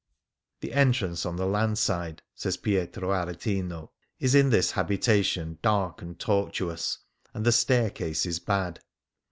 " The entrance on the land side," says Pietro Aretino, "is in this habitation dark and tortuous, and the staircase is bad."